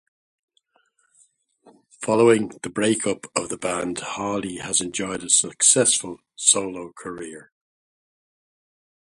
Following the break-up of the band, Hawley has enjoyed a successful solo career.